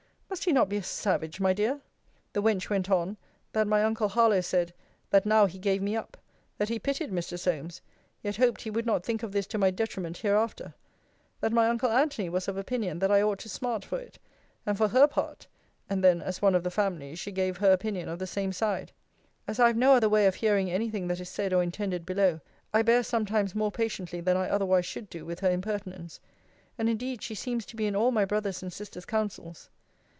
Must he not be a savage, my dear? The wench went on that my uncle Harlowe said, That now he gave me up that he pitied Mr. Solmes yet hoped he would not think of this to my detriment hereafter: that my uncle Antony was of opinion, that I ought to smart for it: and, for her part and then, as one of the family, she gave her opinion of the same side. As I have no other way of hearing any thing that is said or intended below, I bear sometimes more patiently than I otherwise should do with her impertinence. And indeed she seems to be in all my brother's and sister's counsels.